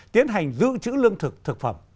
tiến hành giữ chữ lương thực thực phẩm